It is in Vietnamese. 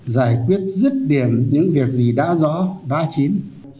giải quyết rứt điểm những việc gì đã rõ đã chín